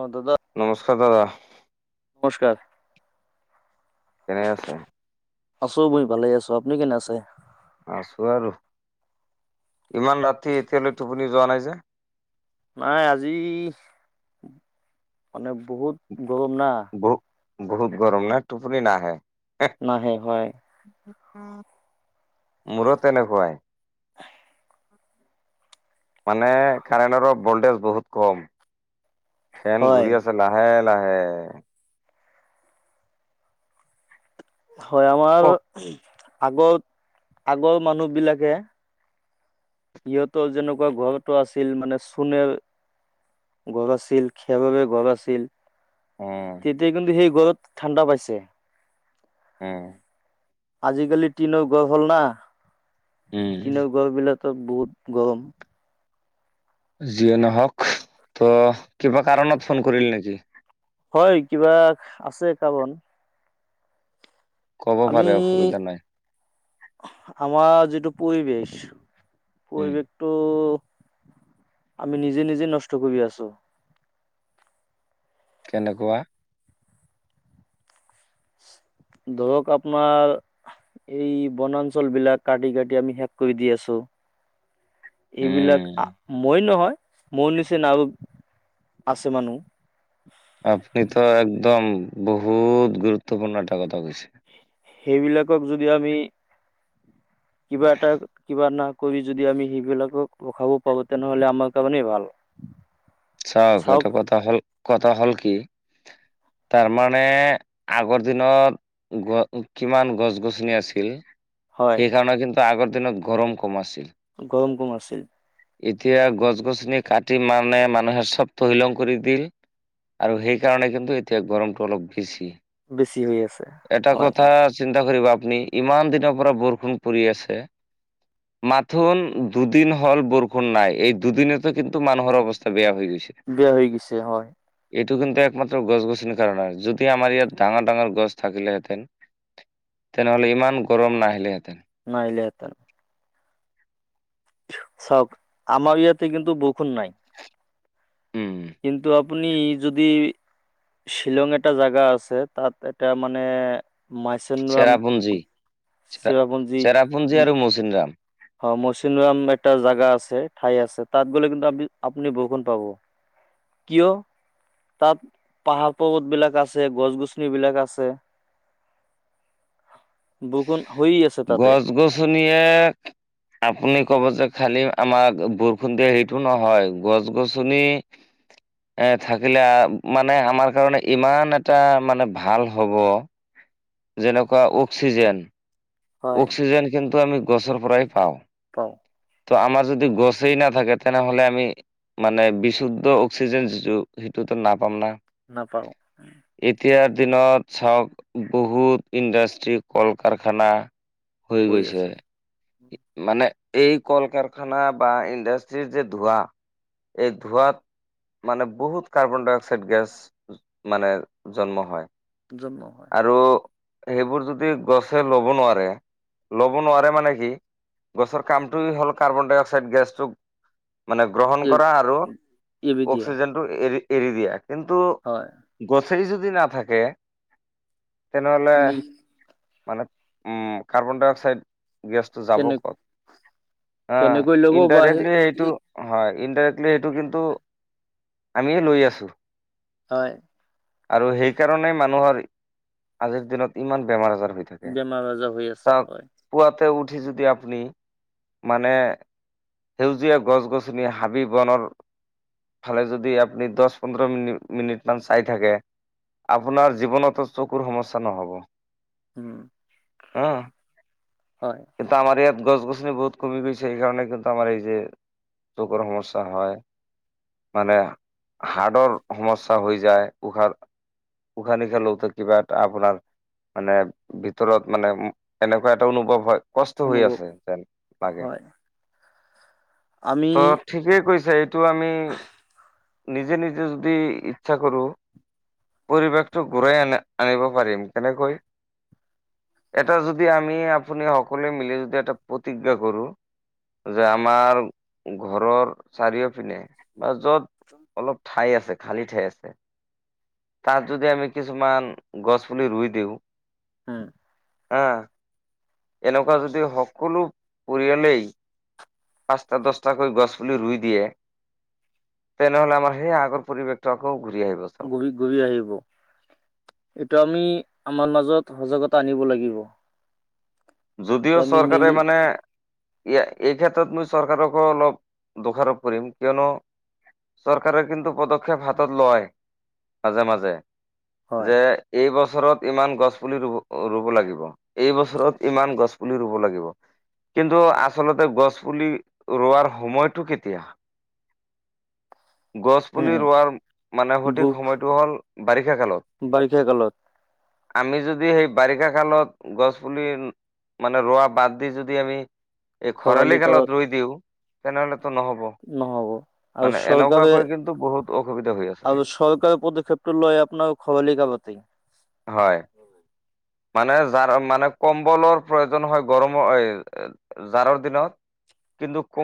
অ দাদা নমস্কাৰ দাদা নমস্কাৰ কেনে আছে? আছো বই ভালে আছো। আপুনি কেনে আছে? আছো আৰু। ইমান ৰাতি এতিয়ালৈ টোপনি যোৱা নাই যে? নাই আজি মানে বহুত গৰম না বহু বহুত গৰম নাই টোপনি নাহে নাহে হয়। মোৰো তেনেকুৱাই। মানে কাৰেণ্টৰ ভল্টেজ বহুত কম। ফেন হয় ঘূৰি আছে লাহে লাহে। হয় আমাৰ কওক আগত আগৰ মানুহ বিলাকে সিহঁতৰ যেনেকুৱা ঘৰটো আছিল মানে চোণেৰ ঘৰ আছিল খেৰৰে ঘৰ আছিল। উম তেতিয়া কিন্তু সেই ঘৰত ঠাণ্ডা পাইছে। আহ আজিকালি টিনৰ ঘৰ হ'ল না উম টিনৰ ঘৰ বিলাক ত বহুত গৰম যিয়ে নহওক ত' কিবা কাৰণত ফোন কৰিলি নেকি? হয় কিবা আছে কাবন ক'ব আমি পাৰে অসুবিধা নাই আমাৰ যিট- টো পৰিৱেশ উম পৰিৱেশটো আমি নিজে নিজে নষ্ট কৰি আছো। কেনেকুৱা ধৰক আপোনাৰ এই বনাঞ্চল বিলাক কাটি কাটি আমি শেষ কৰি দি আছোঁ। উম। এইবিলাক মই নহয় মোৰ নিচিনা আও আছে মানুহ। আপুনিত একদম বহুত গুৰুত্বপূৰ্ণ এটা কথা কৈছে। সেইবিলাকক যদি আমি কিবা এটা কিবা না কৰি যদি আমি সেইবিলাকক ৰখাব পাৰো তেনেহলে আমাৰ কাৰণেই ভাল। চাওক সেইটা কথা হল কথা হ'ল কি? তাৰমানে আগৰ দিনত গ কিমান গছ গছনি আছিল। হয় সেইকাৰণে কিন্তু আগৰ দিনত গৰম কম আছিল- গৰম কম আছিল। এতিয়া গছ গছনি কাটি মানে মান- মানুহে চব তহিলং কৰি দিল আৰু সেইকাৰণে কিন্তু এতিয়া গৰমটো অলপ বেছি। বেছি হৈ আছে এটা হয় কথা চিন্তা কৰিবা আপ- পুনি ইমান দিনৰ পৰা বৰষুণ পৰি আছে। মাথোন দুদিন হ'ল বৰষুণ নাই এই দুদিনেতো কিন্তু মানুহৰ অৱস্থা- বেয়া হৈ গৈছে [unintelligible] বেয়া হৈ গৈছে হয় [unintelligible] [unintelligible] এইটো কিন্তু একমাত্ৰ গছ গছনিৰ কাৰণ যদি আমাৰ ইয়াত ডাঙৰ ডাঙৰ গছ থাকিলেহেঁতেন [inaudible] [unintelligible] তেনেহ'লে ইমান গৰম নাহিলেহেঁতেন [inaudible] [unintelligible] নাহিলেহে‌ঁতেন [inaudible] চাওক আমাৰ ইয়াতে কিন্তু বৰষুণ নাই উম কিন্তু আপুনি যদি শ্বিলং এটা জাগা আছে তাত এটা মানে মাইচনাম চেৰাপুঞ্জী [unintelligible] চেৰাপুঞ্জী আৰু মৌচিন্দ [inaudible] [unintelligible] হয় মৌচিন্দৰাম এটা জাগা আছে ঠাই আছে তাত গ'লে কিন্তু আ আপুনি বৰষুণ পাব [unintelligible] কিয় [unintelligible] [unintelligible] তাত পাহাৰ-পৰ্বতবিলাক আছে, গছ-গছনিবিলাক আছে [inaudible] [inaudible] [unintelligible] বৰষুণ [unintelligible] [unintelligible] তাতে গছ-গছনি এক [inaudible] [unintelligible] আপুনি ক'ব যে খালি আমাৰ বৰষুণ দিয়া হেৰিটো নহয় গছ গছনি [inaudible] [unintelligible] এ থাকিলে মানে আমাৰ কাৰণে ইমান এটা মানে ভাল হ'ব [inaudible] [unintelligible] যেনেকুৱা অক্সিজেন হয় অক্সিজেন কিন্তু আমি গছৰ পৰাই পাওঁ [inaudible] প [unintelligible] [unintelligible] ত' আমাৰ যদি গছেই নাথাকে তেনেহ'লে আমি মানে বিশুদ্ধ অক্সিজেন যিটো সেইটোত [unintelligible] [unintelligible] টো নাপাম না [inaudible] নাপাৰো [unintelligible] [unintelligible] এতিয়াৰ দিনত চাওক বহুত ইণ্ডাষ্ট্ৰি, কল-কাৰখানা [inaudible] [unintelligible] হৈ গৈছে মানে [inaudible] [unintelligible] এই কল-কাৰখানা বা ইণ্ডাষ্ট্ৰিৰ যে ধোঁৱা এই ধোঁৱাত [unintelligible] [unintelligible] মানে বহুত কাৰ্বন-ডাই-অক্সাইড গেছ মানে জন্ম হয় [unintelligible] হয় আৰু সেইবোৰ যদি গছে ল'ব নোৱাৰে ল'ব নোৱাৰে মানে কি গছৰ কামটো হল কাৰ্বন-ডাই-অক্সাইড গেছটো মানে গ্ৰহণ এই- কৰা আৰু এইবিধিয়ে অক্সিজেন টো এৰি এৰি দিয়া কিন্তু হয় সেই যদি নাথাকে তেনেহ'লে আমি মানে উম কাৰ্বন-ডাই-অক্সাইড গেছটো যাব কেনে ক'ত হা কেনেকৈ ল'ব বা ইনডাইৰেক্টলি সেইটো সেই হয় ইনডাইৰেক্টলি সেইটো কিন্তু আমিয়ে লৈ আছোঁ হয় [unintelligible] আৰু সেইকাৰণে মানুহৰ আজিৰ দিনত ইমান বেমাৰ-আজাৰ [unintelligible] [unintelligible] বেমাৰ-আজাৰ হৈ আছে হয়। [inaudible] [unintelligible] উঠি যদি আপুনি মানে [inaudible] [unintelligible] সেউজীয়া গছ-গছনি, হাবি-বনৰ [inaudible] [unintelligible] ফালে যদি আপুনি দহ পোন্ধৰ মিনিট-মিনিট মান চাই থাকে [unintelligible] [unintelligible] আপোনাৰ জীৱনতো চকুৰ সমস্যা নহব [inaudible] উম [unintelligible] [unintelligible] হা হয় কিন্তু আমাৰ ইয়াত গছ-গছনি বহুত কমি গৈছে এই কাৰণে কিন্তু [inaudible] [unintelligible] আমাৰ এই যে চকুৰ সমস্যা হয় [inaudible] [unintelligible] মানে হাৰ্ডৰ সমস্যা হৈ যায় উশাহ [inaudible] [unintelligible] উশাহ-নিশাহ লওঁতে কিবা আপোনাৰ [inaudible] [unintelligible] মানে ভিতৰত মানে এনেকুৱা এটা অনুভৱ হয় [inaudible] [unintelligible] কষ্ট হৈ অনুভৱ আছে যেন লাগে হয় আমি ত ঠিকেই কৈছে এই [inaudible] [unintelligible] টো আমি নিজে নিজে যদি ইচ্ছা কৰো [inaudible] [unintelligible] পৰিৱেশটো ঘূৰাই আনা আনিব পাৰিম কেনেকৈ? [inaudible] [unintelligible] এটা যদি আমি আপুনি সকলোৱে মিলি যদি এটা প্ৰতিজ্ঞা কৰোঁ [inaudible] যে আমাৰ ঘৰৰ চাৰিও পিনে বা য'ত অলপ ঠাই আছে খালি ঠাই আছে তাত যদি আমি কিছুমান গছ পুলি ৰুই দিওঁ উম হা এনেকুৱা যদি সকলো পৰিয়ালেই পাঁচটা দছটাকৈ গছপুলি ৰুই দিয়ে তেনেহলে আাৰ সেই আগৰ পৰিৱেশটো আকৌ ঘূৰি আহিব চাওক ঘূৰি ঘূৰি আহিব এইটো আমি আমাৰ মাজত সহজাগতা আনিব লাগিব। এইটো যদিও আমি চৰকাৰে মিলি মানে এই ক্ষেত্ৰত মই চৰকাৰকো অলপ দোষাৰোপ কৰিম কিয়নো চৰকাৰে কিন্তু পদক্ষেপ হাতত লয় মাজে মাজে হয় যে এই বছৰত ইমান গছপুলি ৰুব ৰুব লাগিব এই বছৰত ইমান গছ পুলি ৰুব লাগিব কিন্তু আচলতে গছ পুলি ৰোৱাৰ সময়টো কেতিয়া [unintelligible] গছ উম, পুলি উম, ৰোৱাৰ মানে সঠিক বুক সময়টো হ'ল বাৰিষা কালত বাৰিষা কালত আমি যদি সেই বাৰিষা কালত গছ পুলি মানে ৰোৱা বাদ দি যদি আমি এই খৰালি কালত ৰুই দিওঁ তেনেহ'লে নহ'ব আৰু চৰকাৰে এনেকুৱাকৈ কিন্তু বহুত অসুবিধা হৈ আছে আৰু চৰকাৰে পদক্ষেপ টো লয় আপোনাৰ খৰালি কালতে হয়, মানে যাৰ মানে কম ফলৰ প্ৰয়োজন হয়, গৰমৰ এই জাৰৰ দিনত, কিন্তু